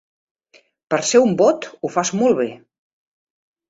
Per ser un bot, ho fas molt bé.